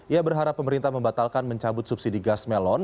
ia berharap pemerintah membatalkan mencabut subsidi gas melon